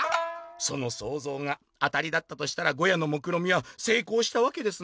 「そのそうぞうが当たりだったとしたらゴヤのもくろみはせいこうしたわけですね。